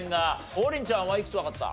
王林ちゃんはいくつわかった？